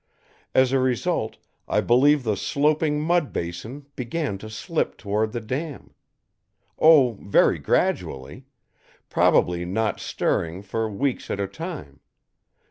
As a result, I believe the sloping mud basin began to slip toward the dam. Oh, very gradually! Probably not stirring for weeks at a time.